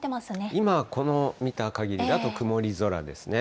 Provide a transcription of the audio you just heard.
今、この見たかぎりだと曇り空ですね。